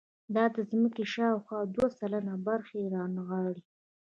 دا د ځمکې شاوخوا دوه سلنه برخه رانغاړي.